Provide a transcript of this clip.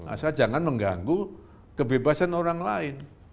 asal jangan mengganggu kebebasan orang lain